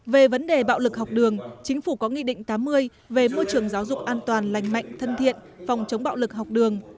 về vấn đề bạo lực học đường chính phủ có nghị định tám mươi về môi trường giáo dục an toàn lành mạnh thân thiện phòng chống bạo lực học đường